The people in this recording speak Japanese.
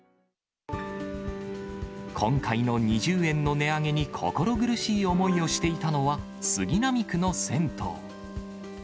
今回の２０円の値上げに心苦しい思いをしていたのは、杉並区の銭湯。